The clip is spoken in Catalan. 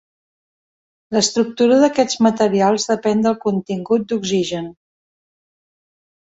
L'estructura d'aquests materials depèn del contingut d'oxigen.